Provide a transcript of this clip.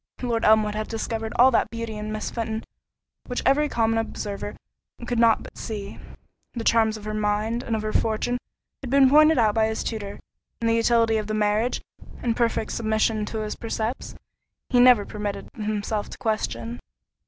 Lord Elmwood had discovered all that beauty in Miss Fenton which every common observer could not but see. The charms of her mind and of her fortune had been pointed out by his tutor; and the utility of the marriage, in perfect submission to his precepts, he never permitted himself to question.